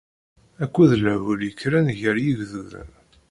Akked lhul yekkren gar yigduden.